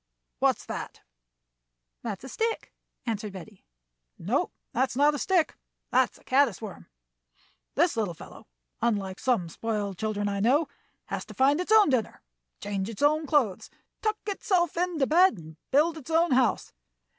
"What's that?" "That's a stick," answered Betty. "No, that's not a stick, that's a caddis worm. This little fellow, unlike some spoiled children I know, has to find its own dinner, change its own clothes, tuck itself into bed, and build its own house.